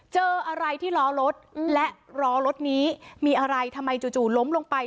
เจออะไรที่ล้อรถและล้อรถนี้มีอะไรทำไมจู่ล้มลงไป